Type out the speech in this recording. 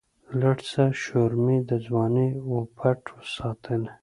لږڅه شورمي د ځواني وًپټ ساتلی